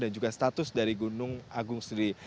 dari gunung agung sendiri